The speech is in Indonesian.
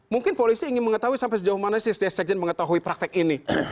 mungkin polisi ingin mengetahui sampai sejauh mana sih sekjen mengetahui praktek ini